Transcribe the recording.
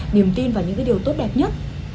niềm tin vào những điều tốt đẹp nhất